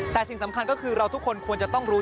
แต่สิ่งสำคัญก็คือเราทุกคนควรจะต้องรู้